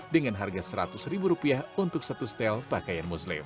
dengan harga seratus ribu rupiah untuk satu setel pakaian muslim